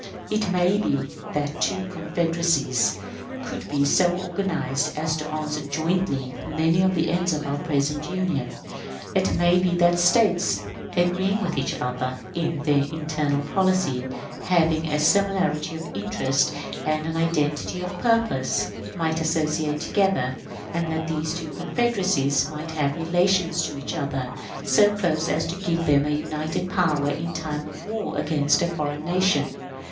It might be that two confederacies could be so organized as to answer jointly many of the ends of our present Union; it might be that States, agreeing with each other in their internal policy having a similarity of interests and an identity of purpose might associate together, and that these two confederacies might have relations to each other so close as to give them a united power in time of war against any foreign nation.